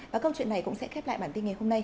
và câu chuyện này cũng sẽ khép lại bản tin ngày hôm nay